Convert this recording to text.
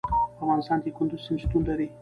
په افغانستان کې کندز سیند شتون لري.